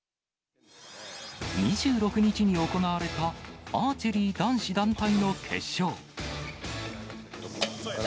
２６日に行われたアーチェリー男子団体の決勝。